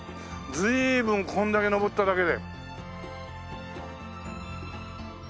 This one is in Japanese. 随分これだけ上っただけで。